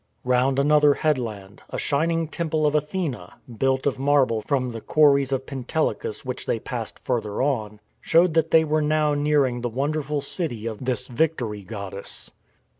Round another headland, a shining Temple of Athene, built of marble from the quarries of Pentelicus which they passed farther on, showed that they were now nearing the wonderful city of this Victory god dess.